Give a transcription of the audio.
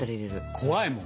怖いもん。